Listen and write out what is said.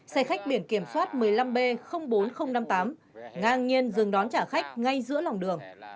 xe khách biển kiểm soát một mươi năm b bốn nghìn năm mươi tám ngang nhiên dừng đón trả khách ngay giữa lòng đường